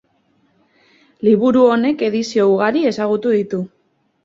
Liburu honek edizio ugari ezagutu ditu.